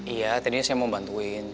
iya tadinya saya mau bantuin